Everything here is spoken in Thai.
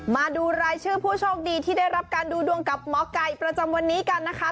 มาดูรายชื่อผู้โชคดีที่ได้รับการดูดวงกับหมอไก่ประจำวันนี้กันนะคะ